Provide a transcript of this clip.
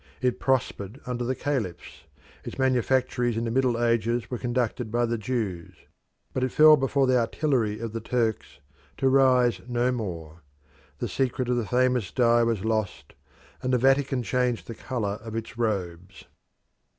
It prospered under the caliphs; its manufactories in the Middle Ages were conducted by the Jews; but it fell before the artillery of the Turks to rise no more. The secret of the famous dye was lost, and the Vatican changed the colour of its robes.